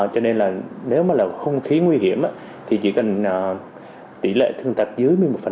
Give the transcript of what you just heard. cho nên là nếu mà là không khí nguy hiểm thì chỉ cần tỷ lệ thương tật dưới một mươi một